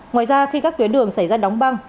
ngoài ra khi các tuyến đường xảy ra đóng băng